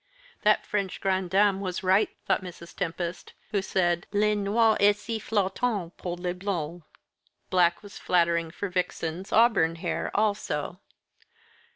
"That French grande dame was right," thought Mrs. Tempest, "who said, 'Le noir est si flattant pour les blondes.'" Black was flattering for Vixen's auburn hair also.